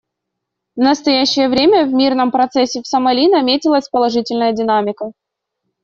В настоящее время в мирном процессе в Сомали наметилась положительная динамика.